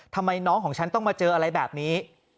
ทำไมน้องของฉันต้องมาเจออะไรแบบนี้